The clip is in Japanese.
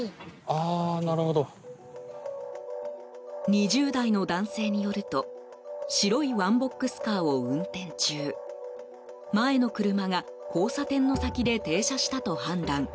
２０代の男性によると白いワンボックスカーを運転中前の車が交差点の先で停車したと判断。